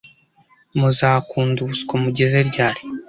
muzakunda ubuswa mugeze ryari’